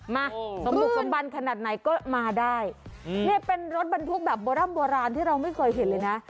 มาสมบุกสมบันขนาดไหนก็มาได้นี่เป็นรถบรรทุกแบบโบร่ำโบราณที่เราไม่เคยเห็นเลยนะ